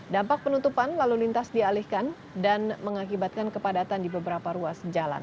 dampak penutupan lalu lintas dialihkan dan mengakibatkan kepadatan di beberapa ruas jalan